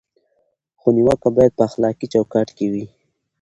خو نیوکه باید په اخلاقي چوکاټ کې وي.